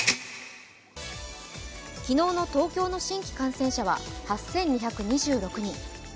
昨日の東京の新規感染者は８２２６人。